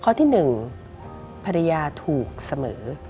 ข้อที่๑ภรรยาถูกเสมอ